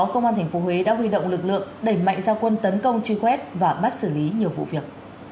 công an tp huế đã huy động lực lượng đẩy mạnh giao quân tấn công truy quét và bắt xử lý nhiều vụ việc